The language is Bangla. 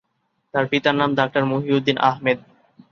তার পিতার নাম ডাক্তার মহিউদ্দিন আহমেদ।